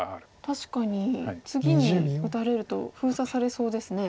確かに次に打たれると封鎖されそうですね。